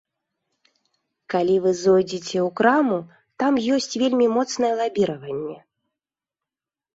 Калі вы зойдзеце ў краму, там ёсць вельмі моцнае лабіраванне.